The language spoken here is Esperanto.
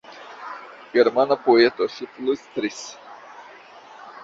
Germana poeto, ŝi flustris.